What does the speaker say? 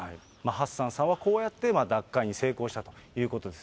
ハッサンさんはこうやって脱会に成功したということです。